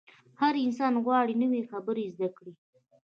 هر انسان غواړي نوې خبرې زده کړي.